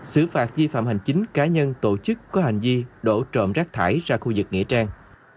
xử phạt vi phạm hành chính cá nhân tổ chức có hành vi đổ trộm rác thải ra khu vực nghĩa trang